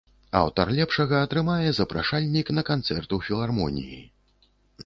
Аўтар лепшага атрымае запрашальнік на канцэрт у філармоніі.